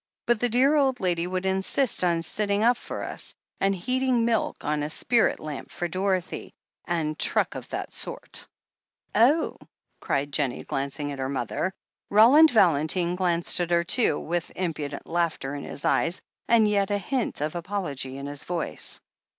But the dear old lady would insist on sitting up for us, and heating milk on a spirit lamp for Dorothy, and truck of that sort." "Oh I" cried Jennie, glancing at her mother. Roland Valentine glanced at her too, with impudent laughter in his eyes, and yet a hint of apology in his voice.